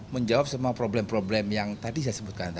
menjawab semua problem problem yang tadi saya sebutkan